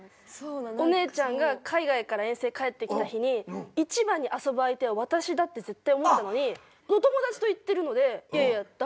お姉ちゃんが海外から遠征帰ってきた日に一番に遊ぶ相手は私だって絶対思ってたのにお友達と行ってるのでいやいや誰？